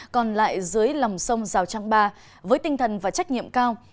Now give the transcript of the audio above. còn lại dưới lòng sông rào trang ba với tinh thần và trách nhiệm cao